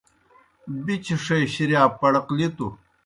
بِچݜے شِریا پڑقلِتوْ